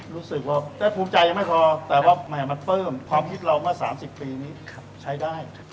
รู้สึกว่าได้ภูมิใจยังไม่พอแต่ว่ามหมาฟ่าเติมความคิดเรามาสามสิบปีนี้ใช้ได้